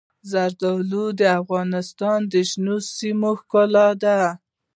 زردالو د افغانستان د شنو سیمو ښکلا ده.